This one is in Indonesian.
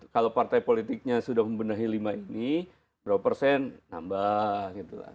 kalau partai politiknya sudah membenahi lima ini berapa persen nambah gitu lah